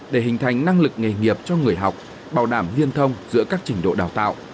để hình thành năng lực nghề nghiệp cho người học bảo đảm liên thông giữa các trình độ đào tạo